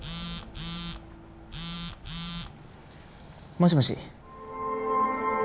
もしもし？